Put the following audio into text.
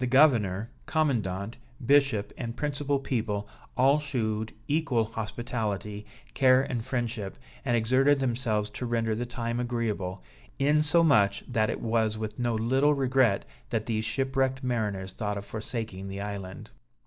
The governor, commandant, bishop and principal people, all shewed equal hospitality, care and friendship, and exerted themselves to render the time agreeable; insomuch that it was with no little regret that these shipwrecked mariners thought of forsaking the island.